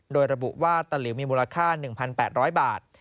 โดยระบุว่าตะหลิวมีมูลค่า๑๘๐๐บาท